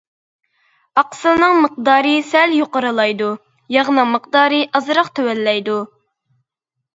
ئاقسىلنىڭ مىقدارى سەل يۇقىرىلايدۇ، ياغنىڭ مىقدارى ئازراق تۆۋەنلەيدۇ.